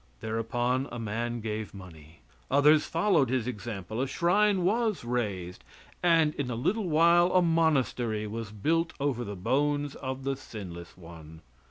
Thereupon a man gave money. Others followed his example, a shrine was raised, and in a little while a monastery was built over the bones of the sinless one.